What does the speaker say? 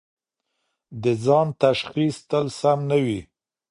د ځان تشخیص تل سم نه وي.